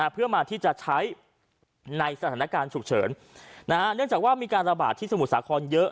เพื่อมาที่จะใช้ในสถานการณ์ฉุกเฉินเนื่องจากว่ามีการระบาดที่สมุทรสาครเยอะ